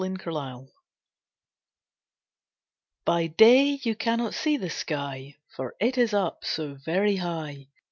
The Pleiades By day you cannot see the sky For it is up so very high.